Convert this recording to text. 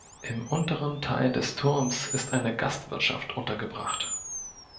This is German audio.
Im unteren Teil des Turms ist eine Gastwirtschaft untergebracht.